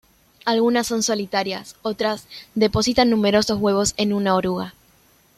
Algunas son solitarias, otras depositan numerosos huevos en una oruga.